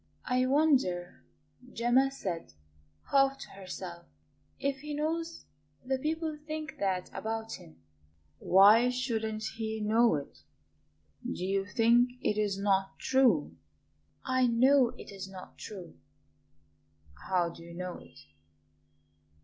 "I wonder," Gemma said, half to herself, "if he knows the people think that about him." "Why shouldn't he know it? Do you think it is not true?" "I know it is not true." "How do you know it?"